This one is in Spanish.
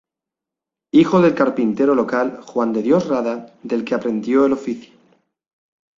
Hijo del carpintero local Juan de Dios Rada, del que aprendió el oficio.